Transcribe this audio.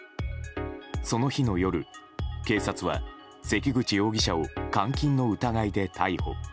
その日の夜、警察は関口容疑者を監禁の疑いで逮捕。